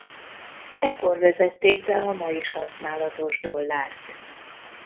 Ekkor vezették be a ma is használatos dollárt.